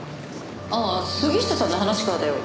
ああ杉下さんの話からだよ。